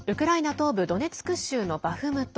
東部ドネツク州のバフムト。